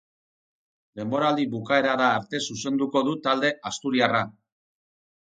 Denboraldi bukaerara arte zuzenduko du talde asturiarra.